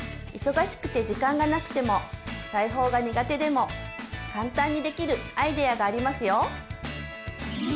忙しくて時間がなくても裁縫が苦手でも簡単にできるアイデアがありますよ。